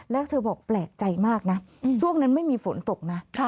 แล้วเธอบอกแปลกใจมากนะช่วงนั้นไม่มีฝนตกนะ